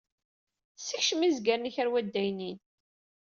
Sekcem izgaren-ik ɣer udaynin.